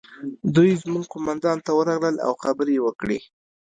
دوی زموږ قومندان ته ورغلل او خبرې یې وکړې